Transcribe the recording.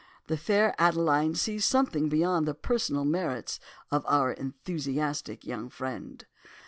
The fair Adeline sees something beyond the personal merits of our enthusiastic young friend.